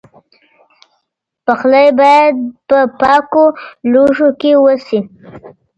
پخلی باید په پاکو لوښو کې وشي.